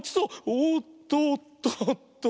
おっとっとっと！